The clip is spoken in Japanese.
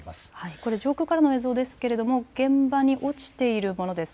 これ、上空からの映像ですが現場に落ちているものです。